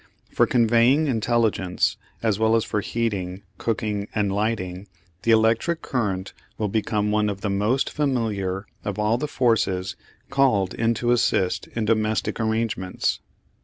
For conveying intelligence, as well as for heating, cooking and lighting, the electric current will become one of the most familiar of all the forces called in to assist in domestic arrangements.